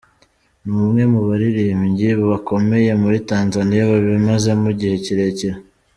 Ni umwe mu baririmbyi bakomeye muri Tanzania babimazemo igihe kirekire.